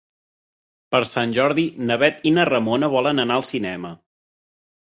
Per Sant Jordi na Bet i na Ramona volen anar al cinema.